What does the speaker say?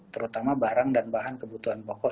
terutama barang dan bahan kebutuhan pokok